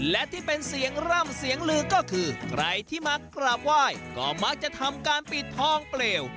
และที่เป็นเสียงร่ำเสียงลือก็คือใครที่มากราบไหว้ก็มักจะทำการปิดทองเปลว